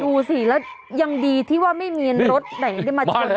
ดูสิแล้วยังดีที่ว่าไม่มีรถไหนได้มาชน